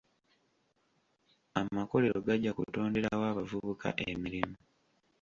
Amakolero gajja kutonderawo abavubuka emirimu.